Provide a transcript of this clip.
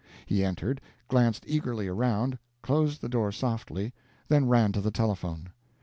He entered, glanced eagerly around, closed the door softly, then ran to the telephone.